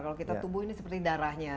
kalau kita tubuh ini seperti darahnya